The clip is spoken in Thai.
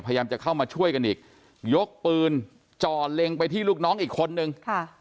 พยายามจะเข้ามาช่วยกันอีกยกปืนจ่อเล็งไปที่ลูกน้องอีกคนนึงค่ะ